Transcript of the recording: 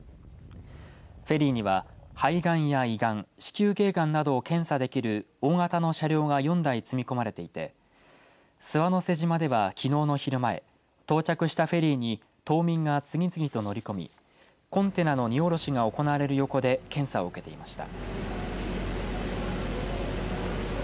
フェリーには肺がんや胃がん子宮けいがんなどを検査できる大型の車両が４台積み込まれていて諏訪之瀬島では、きのうの昼前到着したフェリーに島民が次々と乗り込みコンテナの荷下ろしが行われる横で検査を受けていました。